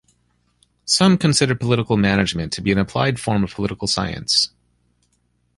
Some consider political management to be an applied form of political science.